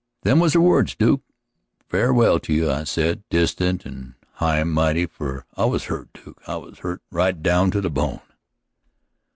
Them was her words, Duke. 'Farewell to you,' I said, distant and high mighty, for I was hurt, Duke I was hurt right down to the bone."